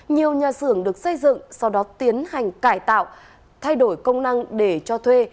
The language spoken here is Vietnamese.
nhiều nhà xưởng được xây dựng sau đó tiến hành cải tạo thay đổi công năng để cho thuê